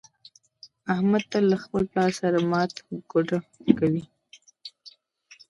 احمد تل له خپل پلار سره ماته ګوډه کوي.